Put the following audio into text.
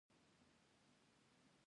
نیکه د خپلو زامنو نیکي ستايي.